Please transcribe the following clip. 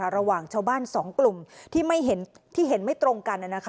ระหว่างชาวบ้าน๒กลุ่มที่เห็นไม่ตรงกัน